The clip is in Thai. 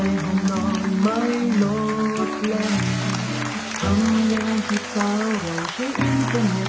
อยู่กันหมดแล้วทำงานได้ไง